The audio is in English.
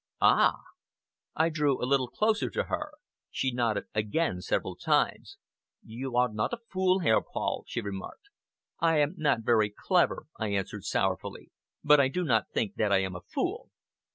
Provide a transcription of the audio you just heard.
"Ah!" I drew a little closer to her. She nodded again several times. "You are not a fool, Herr Paul!" she remarked. "I am not very clever," I answered sorrowfully; "but I do not think that I am a fool!"